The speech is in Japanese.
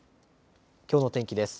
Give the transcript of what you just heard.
きょうの天気です。